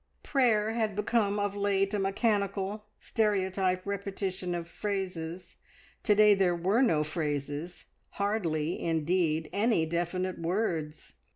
Prayer had become of late a mechanical, stereotype repetition of phrases; to day there were no phrases hardly, indeed, any definite words.